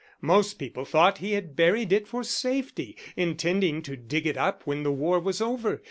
Most people thought he had buried it for safety, intending to dig it up when the war was over.